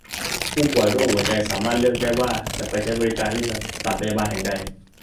ผู้ป่วยโรคหัวใจสามารถเลือกได้ว่าจะไปใช้บริการที่สถานพยาบาลแห่งใด